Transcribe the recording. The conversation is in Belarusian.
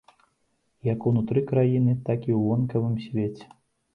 Як ўнутры краіны, так і ў вонкавым свеце.